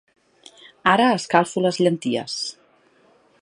Ara escalfo les llenties.